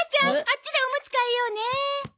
あっちでおむつ替えようね。